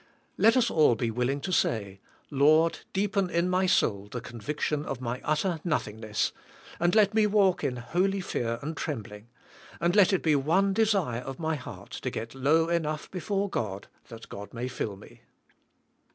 Let us all be willing to say, "Lord, deepen in my soul the conviction of my utter nothing ness, and let me walk in holy fear and trembling ," and let it be one desire of my heart to g et low enough before God, that God may fill me.